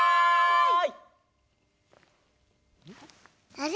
あれ？